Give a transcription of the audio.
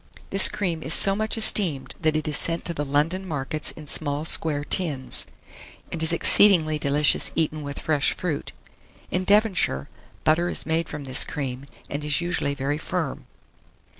This cream is so much esteemed that it is sent to the London markets in small square tins, and is exceedingly delicious eaten with fresh fruit. In Devonshire, butter is made from this cream, and is usually very firm.